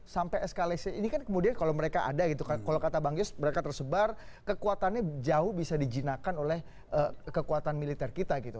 sampai eskalasi ini kan kemudian kalau mereka ada gitu kan kalau kata bang yos mereka tersebar kekuatannya jauh bisa dijinakan oleh kekuatan militer kita gitu